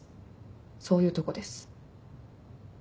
そういうとこです。